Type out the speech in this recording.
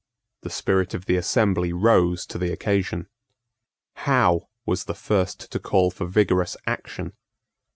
The spirit of the assembly rose to the occasion. Howe was the first to call for vigorous action.